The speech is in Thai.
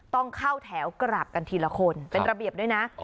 ต้องเข้าแถวกราบกันทีละคนเป็นระเบียบด้วยนะ